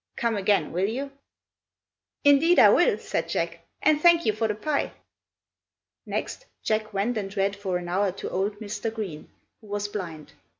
Come again, will you?" "Indeed I will!" said Jack, "and thank you for the pie!" Next Jack went and read for an hour to old Mr. Green, who was blind.